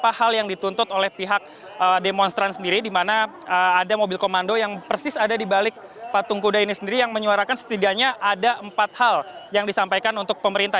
ada beberapa hal yang dituntut oleh pihak demonstran sendiri di mana ada mobil komando yang persis ada di balik patung kuda ini sendiri yang menyuarakan setidaknya ada empat hal yang disampaikan untuk pemerintah